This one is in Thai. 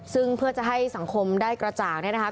ซึ่งเพื่อจะให้สังคมได้กระจากนะครับ